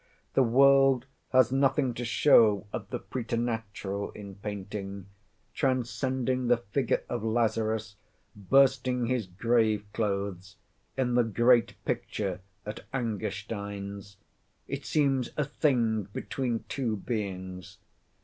The world has nothing to show of the preternatural in painting, transcending the figure of Lazarus bursting his grave clothes, in the great picture at Angerstein's. It seems a thing between two beings.